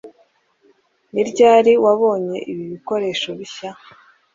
ni ryari wabonye ibi bikoresho bishya